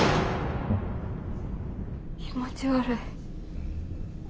気持ち悪い。